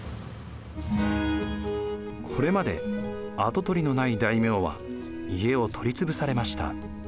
これまで跡取りのない大名は家を取りつぶされました。